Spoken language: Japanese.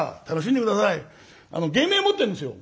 「芸名持ってるんですよ」。